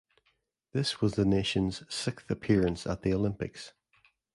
This was the nation's sixth appearance at the Olympics.